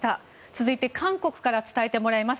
続いて韓国から伝えてもらいます。